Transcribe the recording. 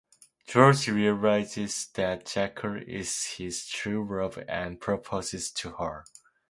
George realizes that Jackie is his true love and proposes to her.